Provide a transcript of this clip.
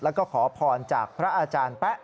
แล้วก็ขอพรจากพระอาจารย์แป๊ะ